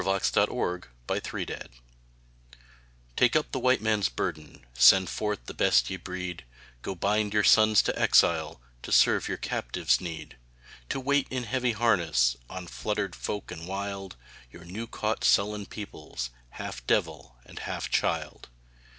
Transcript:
VII THE WHITE MAN'S BURDEN 1899 Take up the White Man's burden Send forth the best ye breed Go bind your sons to exile To serve your captives' need; To wait in heavy harness, On fluttered folk and wild Your new caught, sullen peoples, Half devil and half child.